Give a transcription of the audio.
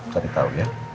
cari tau ya